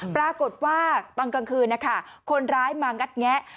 ปรากฏว่าตอนกลางคืนนะคะคนร้ายมางัดแงะ